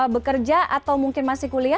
bekerja atau mungkin masih kuliah